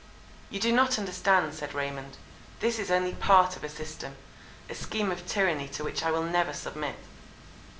"You do not understand," said Raymond. "This is only part of a system:—a scheme of tyranny to which I will never submit.